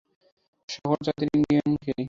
সকল জাতির ইন্ডিয়ানকেই।